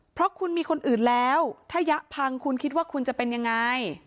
เพราะคุณมีคนอื่นแล้วถ้ายะพังคุณคิดว่าคุณจะเป็นยังไง